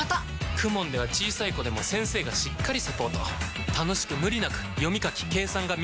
ＫＵＭＯＮ では小さい子でも先生がしっかりサポート楽しく無理なく読み書き計算が身につきます！